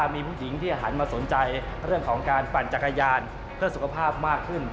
มีผู้หญิงที่หันมาสนใจเรื่องของการปั่นจักรยานเพื่อสุขภาพมากขึ้น